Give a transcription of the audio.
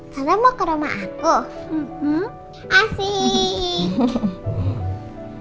tante mau ke rumah aku